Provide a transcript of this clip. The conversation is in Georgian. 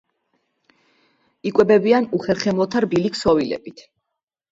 იკვებებიან უხერხემლოთა რბილი ქსოვილებით.